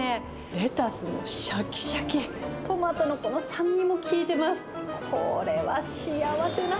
レタスがシャキシャキ、トマトのこの酸味も効いてます。